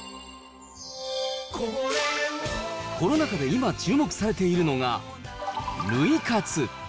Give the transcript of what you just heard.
コロナ禍で今注目されているのが、涙活。